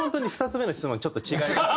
２つ目の質問はちょっと違いがある。